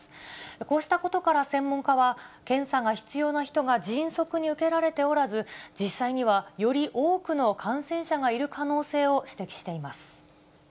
こうしたことから専門家は、検査が必要な人が迅速に受けられておらず、実際にはより多くの感染者がいる可能性を指摘しています。